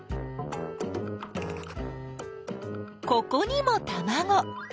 ここにもたまご！